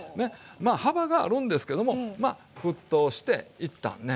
幅があるんですけどもまあ沸騰して一旦ね